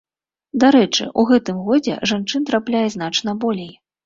Дарэчы, у гэтым годзе жанчын трапляе значна болей.